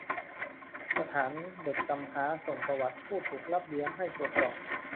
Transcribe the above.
สถานเด็กกำพร้าส่งประวัติผู้ถูกรับเลี้ยงให้ตรวจสอบ